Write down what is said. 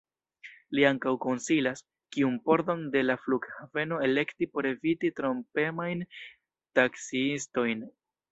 Li ankaŭ konsilas, kiun pordon de la flughaveno elekti por eviti trompemajn taksiistojn.